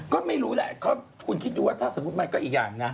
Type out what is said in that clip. ก็ไม่รู้แหละคุณคิดดูว่าถ้าสมมุติมันก็อีกอย่างนะ